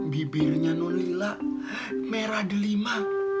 bibirnya non lila merah delima